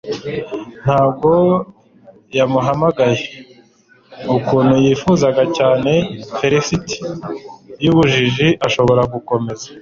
ntabwo yamuhamagaye. ukuntu yifuzaga cyane felicity yubujiji. ashobora gukomeza